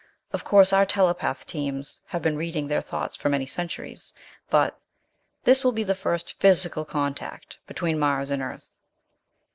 Of course our telepath teams have been reading their thoughts for many centuries, but this will be the first physical contact between Mars and Earth."